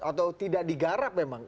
atau tidak digarap memang